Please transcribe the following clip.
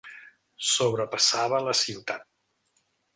Sobrepassava la ciutat.